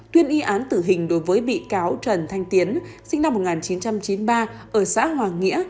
tuyên y án tử hình đối với bị cáo trần thanh tiến sinh năm một nghìn chín trăm chín mươi ba ở xã hoàng nghĩa